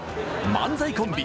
漫才コンビ